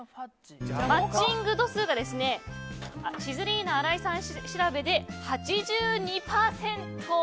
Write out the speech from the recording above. マッチング度数がシズリーナ荒井さん調べで８２％。